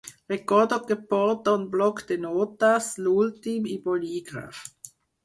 Recordo que porto un bloc de notes, l'últim, i bolígraf.